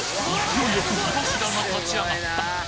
勢いよく火柱が立ち上がった！